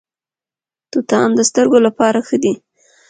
توتان د سترګو لپاره ښه دي.